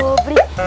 mau pengen taruh